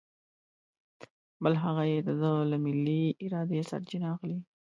بل هغه یې د ده له ملې ارادې سرچینه اخلي.